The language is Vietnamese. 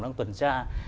đang tuần tra